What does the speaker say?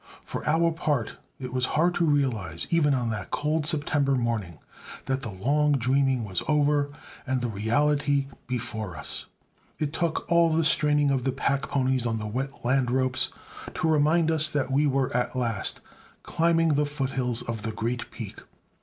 For our part it was hard to realize even on that cold September morning that the long dreaming was over and the reality before us. It took all the straining of the pack ponies on the wet lead ropes to remind us that we were at last climbing the foothills of the great peak.